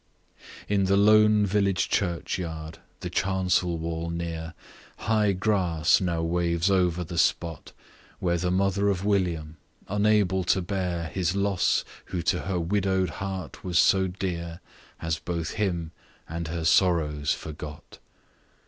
In the lone village church yard, the chancel wall near, High grass now waves over the spot, Where the mother of William, unable to bear His loss, who to her widow'd heart was so dear, Has both him and her sorrows forgot.